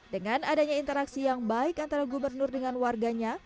dengan adanya interaksi yang baik antara gubernur dengan warganya